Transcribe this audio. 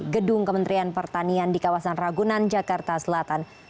gedung kementerian pertanian di kawasan ragunan jakarta selatan